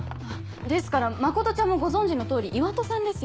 ですから真ちゃんもご存じの通り岩戸さんですよ。